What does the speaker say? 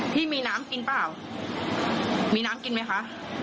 พี่มีน้ำกินเปล่ามีน้ำกินไหมคะ